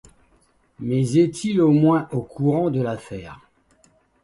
Mais est-il au moins au courant de l’affaire ?